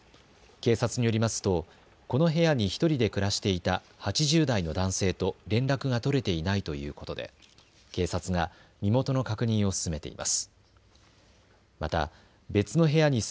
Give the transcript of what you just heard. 警察によりますと、この部屋に１人で暮らしていた８０代の男性と連絡が取れていないということで警察が身元の確認を進めています。